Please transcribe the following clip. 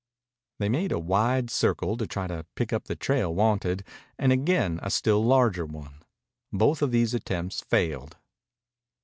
They made a wide circle to try to pick up the trail wanted, and again a still larger one. Both of these attempts failed.